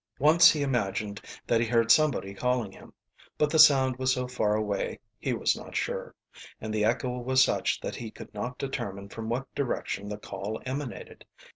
Once he imagined that he heard somebody calling him. But the sound was so far away he was not sure, and the echo was such that he could not determine from what direction the call emanated.